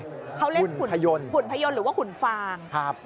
เขาเล่นหุ่นพยนหุ่นพยนต์หรือว่าหุ่นฟาง